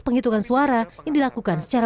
penghitungan suara yang dilakukan secara